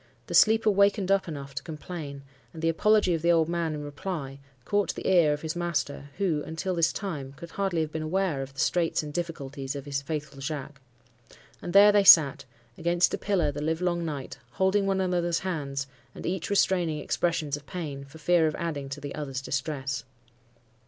The sleeper wakened up enough to complain; and the apology of the old man in reply caught the ear of his master, who, until this time, could hardly have been aware of the straits and difficulties of his faithful Jacques. And there they sat,—against a pillar, the live long night, holding one another's hands, and each restraining expressions of pain, for fear of adding to the other's distress.